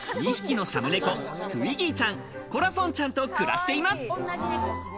２匹のシャム猫トゥイギーちゃん、コラソンちゃんと暮らしています。